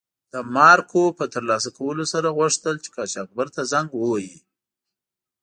د مارکو په تر لاسه کولو سره غوښتل چې قاچاقبر ته زنګ و وهي.